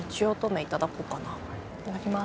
いただきます。